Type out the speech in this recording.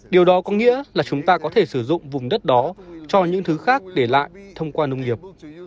điều đó có nghĩa là chúng ta có thể sử dụng vùng đất đó cho những thứ khác để lại thông qua nông nghiệp